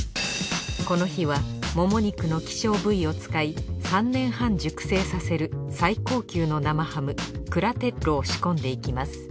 この日はもも肉の希少部位を使い３年半熟成させる最高級の生ハムクラテッロを仕込んでいきます。